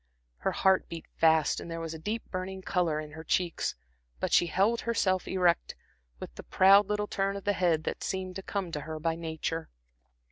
Her heart beat fast and there was a deep burning color in her cheeks, but she held herself erect, with the proud little turn of the head that seemed to come to her by nature.